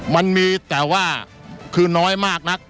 มันมีแต่ว่าคือน้อยมากนัก